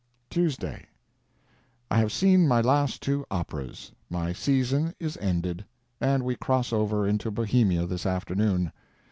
TUESDAY.—I have seen my last two operas; my season is ended, and we cross over into Bohemia this afternoon.